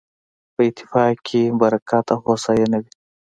په اتفاق کې برکت او هوساينه وي